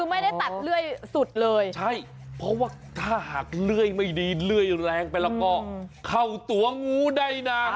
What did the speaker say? คือไม่ได้ตัดเลื่อยสุดเลยใช่เพราะว่าถ้าหากเลื่อยไม่ดีเลื่อยแรงไปแล้วก็เข้าตัวงูได้นะ